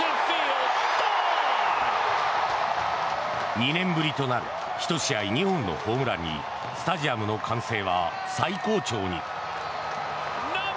２年ぶりとなる１試合２本のホームランにスタジアムの歓声は最高潮に。